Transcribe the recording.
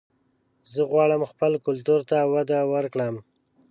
زه غواړم خپل کلتور ته وده ورکړم